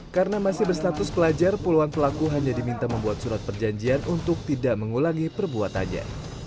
karena masih berstatus pelajar puluhan pelaku hanya diminta membuat surat perjanjian untuk tidak mengulangi perbuatannya